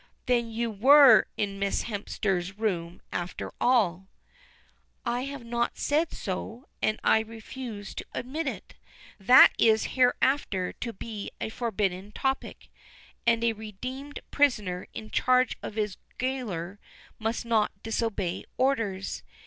"Then you were in Miss Hemster's room after all." "I have not said so, and I refuse to admit it. That is hereafter to be a forbidden topic, and a redeemed prisoner in charge of his gaoler must not disobey orders.